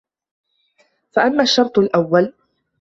فَأَمَّا الشَّرْطُ الْأَوَّلُ